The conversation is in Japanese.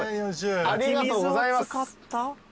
ありがとうございます。